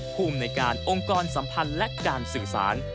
ภูมิในการองค์กรสัมพันธ์และการสื่อสาร